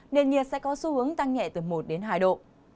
nền nhiệt sẽ có xu hướng tăng nhẹ từ một đến hai độ